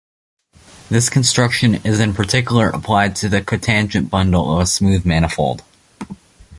This construction is in particular applied to the cotangent bundle of a smooth manifold.